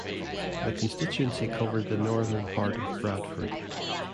The constituency covered the northern part of Bradford.